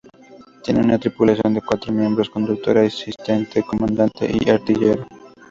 Tiene una tripulación de cuatro miembros: conductor, asistente, comandante y artillero.